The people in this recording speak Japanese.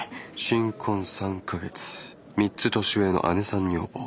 新婚３か月３つ年上の姉さん女房。